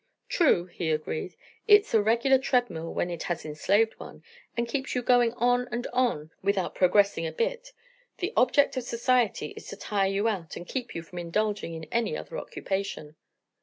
"True," he agreed; "it's a regular treadmill when it has enslaved one, and keeps you going on and on without progressing a bit. The object of society is to tire you out and keep you from indulging in any other occupation."